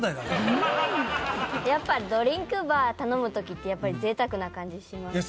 ドリンクバー頼む時ってやっぱり贅沢な感じしました。